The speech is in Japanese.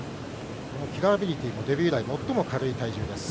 キラーアビリティもデビュー以来、最も軽い体重です。